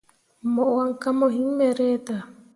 Mo wan kah mo hiŋ me reta.